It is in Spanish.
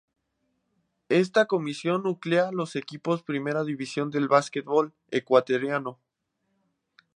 Esta Comisión nuclea a los equipos de Primera División del básquetbol ecuatoriano.